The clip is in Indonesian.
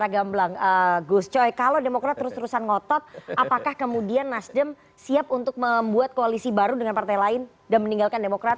gumblang gus coy kalau demokrat terus terusan ngotot apakah kemudian nasdem siap untuk membuat koalisi baru dengan partai lain dan meninggalkan demokrat